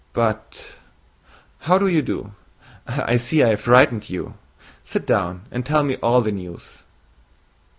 But how do you do? I see I have frightened you—sit down and tell me all the news."